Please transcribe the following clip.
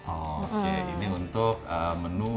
oke ini untuk menu